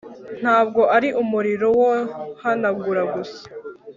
ntabwo ari umuriro wohanagura gusa